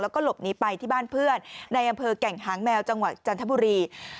แล้วก็หลบหนีไปที่บ้านเพื่อนในอำเภอแก่งหางแมวจังหวัดจันทบุรี